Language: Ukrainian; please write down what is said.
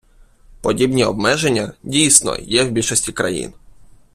Подібні обмеження, дійсно, є в більшості країн.